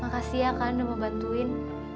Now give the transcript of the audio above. makasih ya kan udah mau bantuin